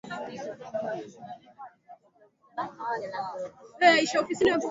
Kwa ngazi ya klabu na ya mataifa pamoja na magoli mengi